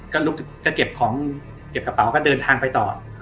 ก็ลุกก็เก็บของเก็บกระเป๋าก็เดินทางไปต่อ